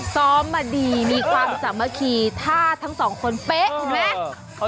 ซ้อมมาดีมีความสามารถที่ท่าทั้งสองคนเป๊ะ